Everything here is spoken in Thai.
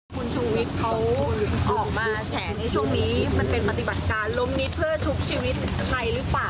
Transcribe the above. คุณชูวิทย์เขาออกมาแฉในช่วงนี้มันเป็นปฏิบัติการล้มนิดเพื่อชุบชีวิตใครหรือเปล่า